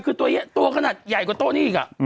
คือตัวเฮี้ยตัวขนาดใหญ่กว่าโต้นี้อีกอ่ะ